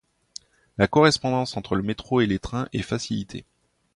La correspondance entre le métro et les trains est facilitée.